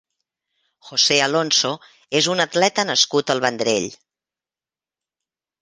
José Alonso és un atleta nascut al Vendrell.